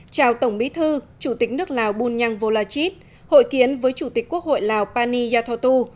chào tổng bí thư chủ tịch nước lào bunyang volachit hội kiến với chủ tịch quốc hội lào pani yathotu